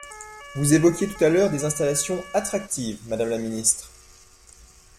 Vous évoquiez tout à l’heure des installations « attractives », madame la ministre.